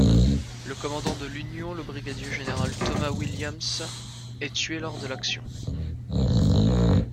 Le commandant de l'Union, le brigadier général Thomas Williams, est tué lors de l'action.